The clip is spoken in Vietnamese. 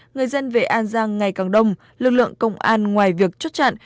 người dân về an giang ngày càng đông lực lượng công an ngoài việc chốt chặn